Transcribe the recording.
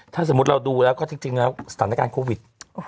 ถ้าสมมุติเราดูแล้วก็จริงแล้วสถานการณ์โควิด